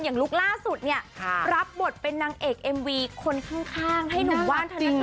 ลุคล่าสุดเนี่ยรับบทเป็นนางเอกเอ็มวีคนข้างให้หนุ่มว่านธนา